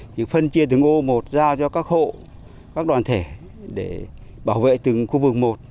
thì phân chia từng ô một ra cho các hộ các đoàn thể để bảo vệ từng khu vực một